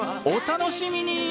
お楽しみに！